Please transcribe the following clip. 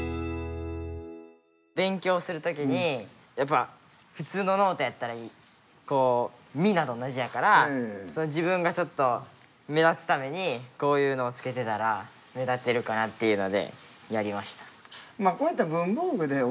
べん強するときにやっぱふつうのノートやったらこうみんなと同じやから自分がちょっと目立つためにこういうのをつけてたら目立てるかなっていうのでやりました。